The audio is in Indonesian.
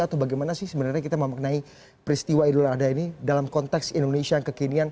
atau bagaimana sih sebenarnya kita memaknai peristiwa idul adha ini dalam konteks indonesia yang kekinian